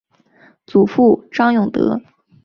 祖父张永德。